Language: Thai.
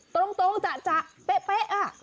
ตรงจาเป๊ะอะ